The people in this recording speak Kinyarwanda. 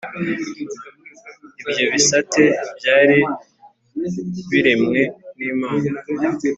Ibyo bisate byari biremwe n’Imana